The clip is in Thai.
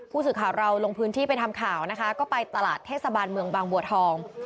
ผู้สื่อข่าวเราลงพื้นที่ไปทำข่าวนะคะก็ไปตลาดเทศบาลเมืองบางบัวทอง